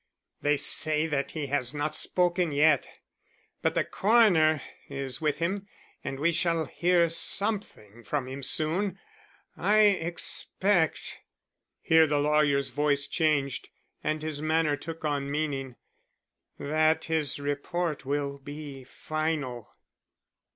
"They say that he has not spoken yet; but the coroner is with him and we shall hear something from him soon. I expect " here the lawyer's voice changed and his manner took on meaning "that his report will be final."